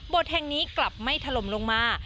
แห่งนี้กลับไม่ถล่มลงมา